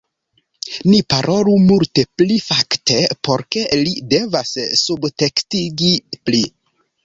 Ni parolu multe pli fakte por ke li devas subtekstigi pli